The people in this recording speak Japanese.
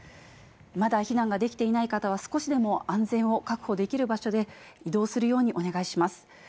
まだ避難ができていない方は、少しでも安全を確保できる場所で、移動するようにお願いします。